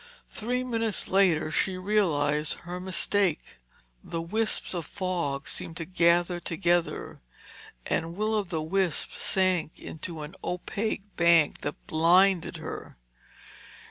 Three minutes later, she realized her mistake. The wisps of fog seemed to gather together, and Will o' the Wisp sank into an opaque bank that blinded her.